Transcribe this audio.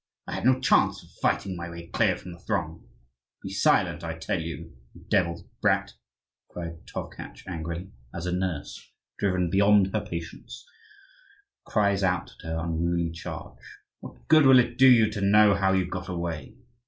I had no chance of fighting my way clear from the throng." "Be silent, I tell you, you devil's brat!" cried Tovkatch angrily, as a nurse, driven beyond her patience, cries out at her unruly charge. "What good will it do you to know how you got away?